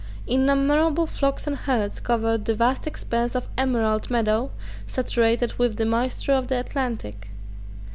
Innumerable flocks and herds covered that vast expanse of emerald meadow, saturated with the moisture of the Atlantic.